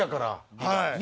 はい。